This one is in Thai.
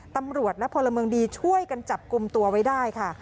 ตำรวจและพลเมืองดีช่วยกันจับกลุ่มตัวไว้ได้ค่ะ